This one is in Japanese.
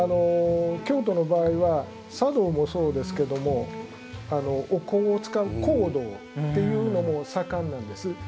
京都の場合は茶道もそうですけどもお香を使う香道っていうのも盛んなんです。